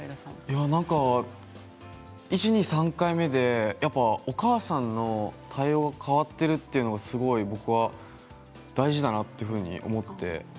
なんか１、２、３回目でお母さんの対応が変わっているというのがすごい僕は大事だなというふうに思って。